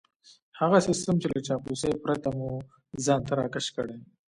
هغه سيستم چې له چاپلوسۍ پرته مو ځان ته راکش کړي.